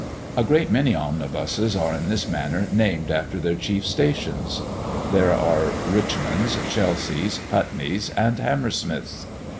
A great many omnibuses are in this manner named after their chief stations. There are Richmonds, Chelseas, Putneys, and Hammersmiths.